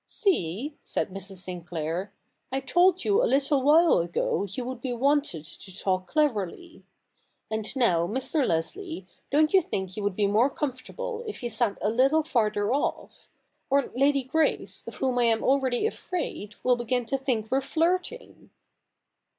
' See,' said Mrs. Sinclair, ' I told you a little while ago you would be wanted to talk cleverly. And now, Mr. Leslie, don't you think you w^ould be more comfortable if you sat a little farther off? or Lady Grace, of whom I am already afraid, will begin to think we're flirting.'